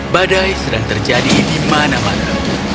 badai sedang terjadi di mana mana